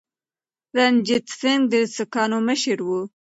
رنجیت سنګ د سکانو مشر و.